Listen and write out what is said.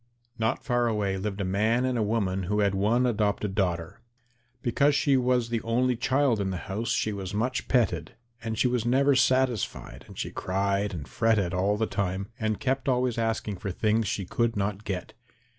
Not far away lived a man and a woman who had one adopted daughter. Because she was the only child in the house she was much petted, and she was never satisfied, and she cried and fretted all the time, and kept always asking for things she could not get.